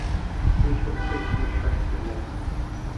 তিনি ছোট্ট একটি নিঃশ্বাস ফেললেন।